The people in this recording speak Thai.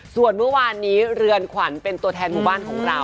ส่วนเมื่อวานนี้เรือนขวัญเป็นตัวแทนหมู่บ้านของเรา